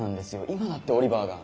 今だってオリバーが。